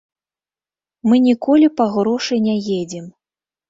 Мы ніколі па грошы не едзем.